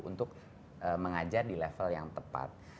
untuk mengajar di level yang tepat